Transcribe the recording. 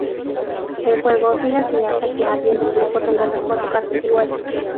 El juego sigue así hasta que alguien del grupo tenga las cuatro cartas iguales.